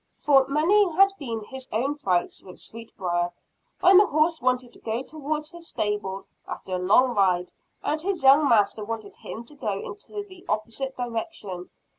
For many had been his own fights with Sweetbriar, when the horse wanted to go towards his stable, after a long ride, and his young master wanted him to go in the opposite direction.